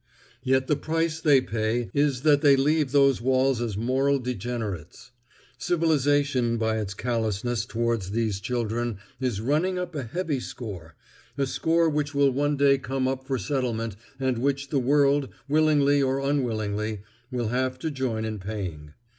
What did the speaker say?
Yet the price they pay is that they leave those walls as moral degenerates. Civilization by its callousness toward these children is running up a heavy score—a score which will one day come up for settlement and which the world, willingly or unwillingly, will have to join in paying.